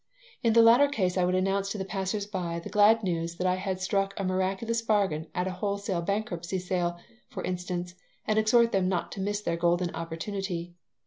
In the latter case I would announce to the passers by the glad news that I had struck a miraculous bargain at a wholesale bankruptcy sale, for instance, and exhort them not to miss their golden opportunity.